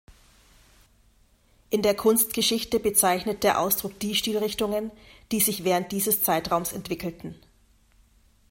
In der Kunstgeschichte bezeichnet der Ausdruck die Stilrichtungen, die sich während dieses Zeitraums entwickelten.